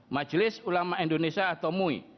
majelis ulama indonesia atau mui